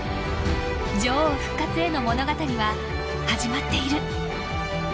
女王復活への物語は始まっている。